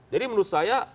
jadi menurut saya